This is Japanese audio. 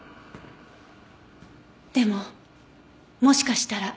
でももしかしたら。